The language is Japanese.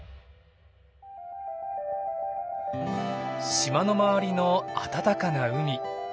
島の周りの暖かな海。